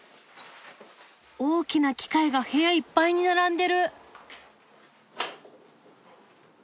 大きな機械が部屋いっぱいに並んでる！